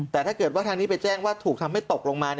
แต่ถ้าเกิดว่าทางนี้ไปแจ้งว่าถูกทำให้ตกลงมา